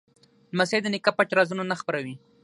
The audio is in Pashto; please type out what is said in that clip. لمسی د نیکه پټ رازونه نه خپروي.